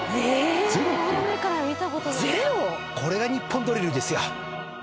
これが『ニッポンドリル』ですよ。